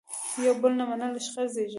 یو بل نه منل شخړې زیږوي.